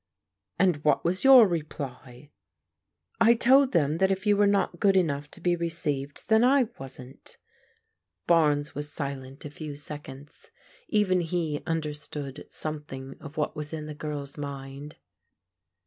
*' And what was your reply? "" I told them that if you were not good enough to te received there I wasn't." Barnes was silent a few seconds. Even he tmderstood something of what was in the girl's mind.